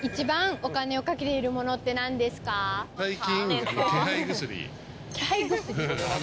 最近。